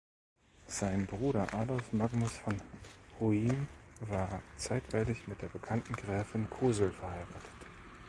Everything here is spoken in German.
Sein Bruder Adolph Magnus von Hoym war zeitweilig mit der bekannten Gräfin Cosel verheiratet.